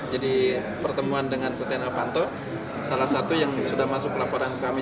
jadi pertemuan dengan setia novanto salah satu yang sudah masuk laporan kami